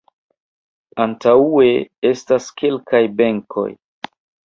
Antaŭe estas kelkaj benkoj.